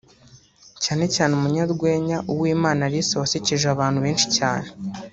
cyane cyane umunyarwenya Uwimana Alice wasekeje abantu benshi cyane